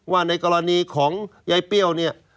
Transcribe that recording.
ในกรณีของยายเปรี้ยวเนี่ย